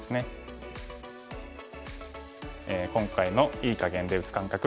今回の“いい”かげんで打つ感覚